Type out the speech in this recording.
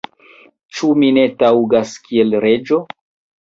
ĉu mi ne taŭgas kiel reĝo?